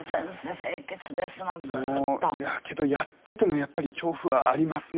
清潔ですもんずっとけどやっててもやっぱり恐怖はありますね